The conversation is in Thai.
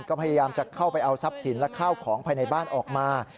ก็พยายามจะเข้าไปเอาทรัพย์สินและข้าวของภายในบ้านออกมา